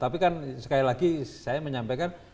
tapi kan sekali lagi saya menyampaikan